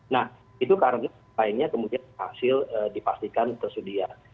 nah itu karena lainnya kemudian hasil dipastikan tersedia